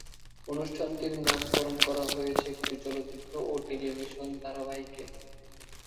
অনুষ্ঠানটির নামকরণ করা হয়েছে কিছু চলচ্চিত্র ও টেলিভিশন ধারাবাহিকে।